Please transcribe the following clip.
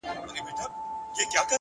پوهه د ذهني ودې زینه ده.